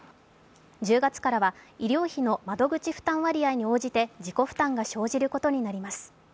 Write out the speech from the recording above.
１０月からは医療費の窓口負担割合に応じて自己負担が生じることになります。